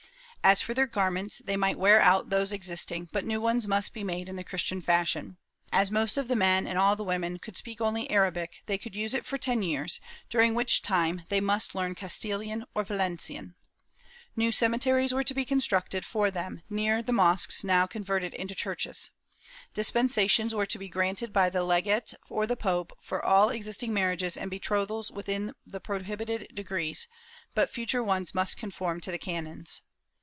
As for their garments, they might wear out those existing, but new ones must be made in the Christian fashion. As most of the men and all the women could speak only Arabic, they could use it for ten years, during which time they must learn Castilian or Valencian. New cemeteries were to be consecrated for them, near the mosques now converted into churches. Dis pensations were to be granted by the legate or the pope for all existing marriages and betrothals within the prohibited degrees, but future ones must conform to the canons.